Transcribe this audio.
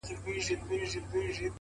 • بيا دي توري سترگي زما پر لوري نه کړې،